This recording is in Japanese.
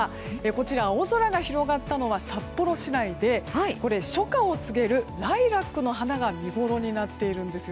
こちら青空が広がったのは札幌市内で初夏を告げるライラックの花が見ごろになっているんです。